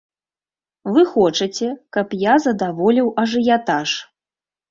Вы хочаце, каб я задаволіў ажыятаж.